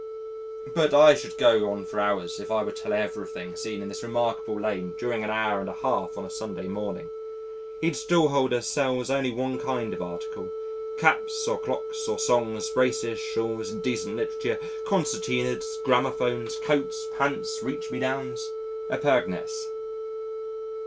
But I should go on for hours if I were to tell everything seen in this remarkable lane during an hour and a half on a Sunday morning. Each stall holder sells only one kind of article caps or clocks or songs, braces, shawls, indecent literature, concertinas, gramophones, coats, pants, reach me downs, epergnes.